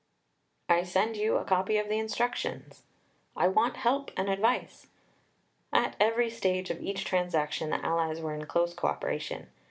"I send you a copy of the Instructions." "I want help and advice." At every stage of each transaction the allies were in close co operation.